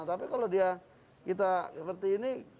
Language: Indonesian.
tapi kalau dia kita seperti ini